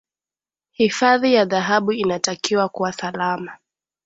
hifadhi ya dhahabu inatakiwa kuwa salama